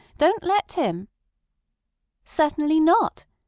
Don't let him." "Certainly not.